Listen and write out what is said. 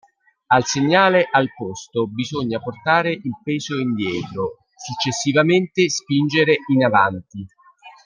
Al segnale "Al posto" bisogna portare il peso indietro, successivamente spingere in avanti.